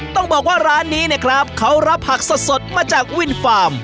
ต้องบอกว่าร้านนี้เนี่ยครับเขารับผักสดมาจากวินฟาร์ม